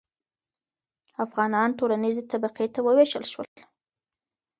افغانان ټولنیزې طبقې ته وویشل شول.